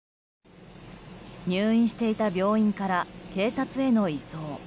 入院していた病院から警察への移送。